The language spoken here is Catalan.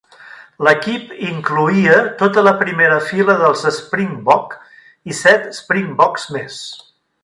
L'equip incloïa tota la primera fila dels Springbok i set Springboks més.